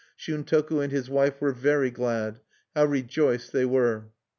Shuntoku and his wife were very glad; how rejoiced they were!